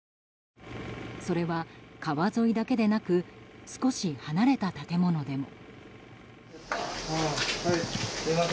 それは川沿いだけでなく少し離れた建物でも。